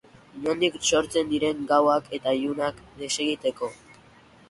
Inondik sortzen diren gauak eta ilunak desegiteko.